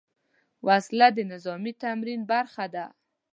وسله د نظامي تمرین برخه ده